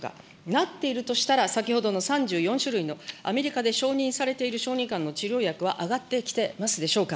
なっているとしたら、先ほどの３４種類のアメリカで承認されている小児がんの治療薬は上がってきてますでしょうか。